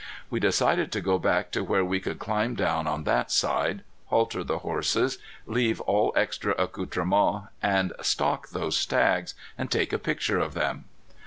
We decided to go back to where we could climb down on that side, halter the horses, leave all extra accoutrements, and stalk those stags, and take a picture of them.